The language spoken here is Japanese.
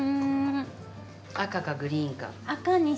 赤かグリーンか。